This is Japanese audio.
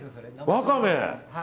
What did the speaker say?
ワカメ。